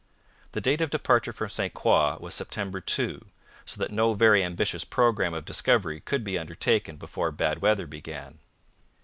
The date of departure from St Croix was September 2, so that no very ambitious programme of discovery could be undertaken before bad weather began.